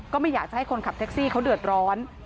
ก็ไม่อยากจะให้คนขับแท็กซี่เขาเดือดร้อน